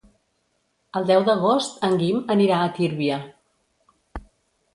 El deu d'agost en Guim anirà a Tírvia.